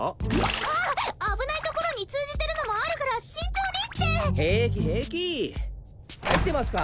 あーっ危ない所に通じてるのもあるから慎重に！って平気平気入ってますか？